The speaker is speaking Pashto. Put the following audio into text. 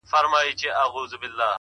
نظم د وخت ساتونکی دی’